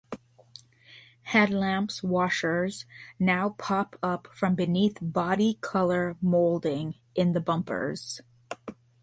Headlamps washers now pop up from beneath body color moulding in the bumpers.